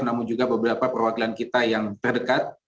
namun juga beberapa perwakilan kita yang terdekat